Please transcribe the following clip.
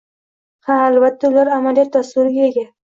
Ha, albatta ular amaliyot dasturiga ega.